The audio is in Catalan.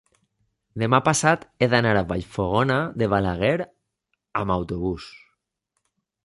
demà passat he d'anar a Vallfogona de Balaguer amb autobús.